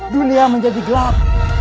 dunia menjadi gelap